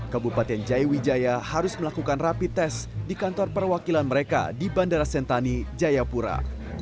kabupaten jayawijaya harus melakukan rapi tes di kantor perwakilan mereka di bandara sentani jayapura